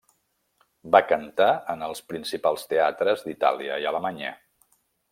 Va cantar en els principals teatres d'Itàlia i Alemanya.